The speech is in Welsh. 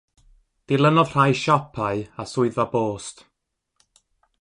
Dilynodd rhai siopau a swyddfa bost.